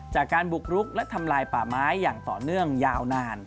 จากการบุกรุกและทำลายป่าไม้อย่างต่อเนื่องยาวนาน